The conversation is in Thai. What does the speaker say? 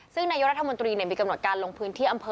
ซึ่งนายกรัฐมนตรีมีกำหนดการลงพื้นที่อำเภอ